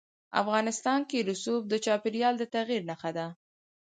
افغانستان کې رسوب د چاپېریال د تغیر نښه ده.